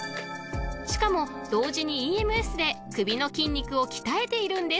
［しかも同時にＥＭＳで首の筋肉を鍛えているんです］